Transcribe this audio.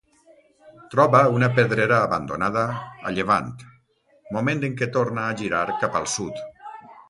Troba una pedrera abandonada, a llevant, moment en què torna a girar cap al sud.